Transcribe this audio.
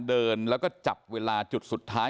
เดินแล้วก็จับเวลาจุดสุดท้าย